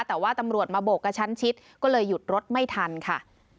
แต่ว่าตำรวจมาโบกกระชั้นชิดก็เลยหยุดรถไม่ทันค่ะ